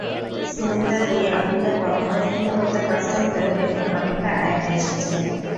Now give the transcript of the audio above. শুরুতে দুই আঙুলে কলম-পেনসিল ধরতে কষ্ট হলেও এখন অনেকটা আয়ত্তে এসেছে।